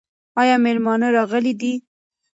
ایا مېلمانه راغلي دي؟